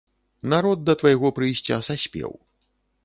Народ да твайго прыйсця саспеў.